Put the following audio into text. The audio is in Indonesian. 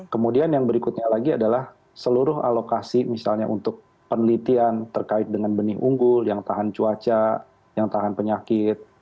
kemudian yang berikutnya lagi adalah seluruh alokasi misalnya untuk penelitian terkait dengan benih unggul yang tahan cuaca yang tahan penyakit